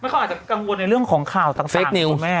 ไม่ค่อยอาจจะกังวลในเรื่องของข่าวต่างถูกไหม